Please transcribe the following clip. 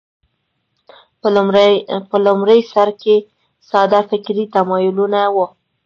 په لومړي سر کې ساده فکري تمایلونه وو